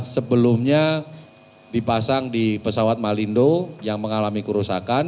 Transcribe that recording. sebelumnya dipasang di pesawat malindo yang mengalami kerusakan